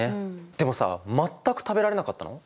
でもさ全く食べられなかったの？